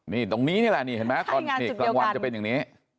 นี่ตรงนี้นี่แหละนี่เห็นไหมตอนนี่กลางวันจะเป็นอย่างนี้